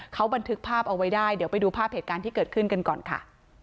เขาบันทึกภาพเอาไว้ได้เดี๋ยวไปดูภาพเหตุการณ์ที่เกิดขึ้นกันก่อนค่ะ